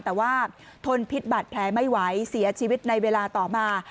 แต่ว่าทนพิษบาดแผลไม่ไหวเสียชีวิตในเวลาต่อมา